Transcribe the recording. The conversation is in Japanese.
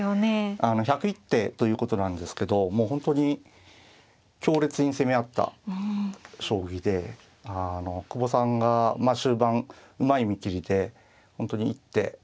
１０１手ということなんですけどもう本当に強烈に攻め合った将棋で久保さんがまあ終盤うまい見切りで本当に一手勝つプロのすごさというかね